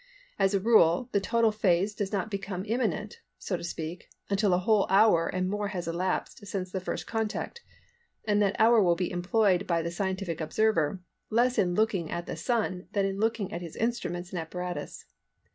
As a rule, the total phase does not become imminent, so to speak, until a whole hour and more has elapsed since the first contact; and that hour will be employed by the scientific observer, less in looking at the Sun than in looking at his instruments and apparatus.